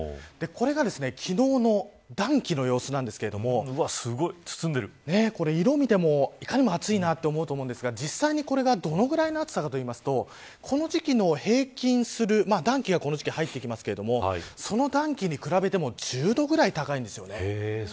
これが昨日の暖気の様子なんですけれども色を見ても、いかにも暑いなと思うと思うんですが実際にこれがどのくらいの暑さかというとこの時期の平均する暖気が、この時期入ってきますがその暖気に比べても１０度ぐらい高いんです。